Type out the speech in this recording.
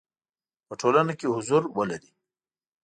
په ټولنه کې حضور ولري.